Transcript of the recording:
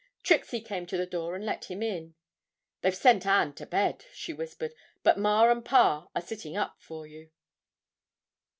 Trixie came to the door and let him in. 'They've sent Ann to bed,' she whispered, 'but ma and pa are sitting up for you.'